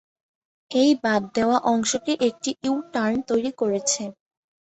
এই বাদ দেওয়া অংশটি একটি ইউ-টার্ন তৈরী করেছে।